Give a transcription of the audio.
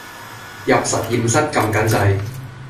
入實驗室㩒緊掣